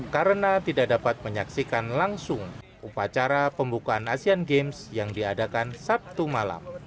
karena tidak dapat menyaksikan langsung upacara pembukaan asian games yang diadakan sabtu malam